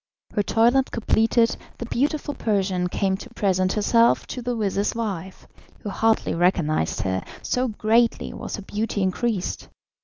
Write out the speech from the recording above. Her toilet completed, the beautiful Persian came to present herself to the vizir's wife, who hardly recognised her, so greatly was her beauty increased.